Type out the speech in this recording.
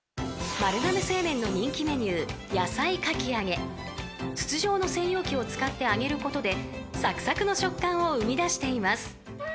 ［丸亀製麺の人気メニュー野菜かき揚げ］［筒状の専用器を使って揚げることでサクサクの食感を生み出しています］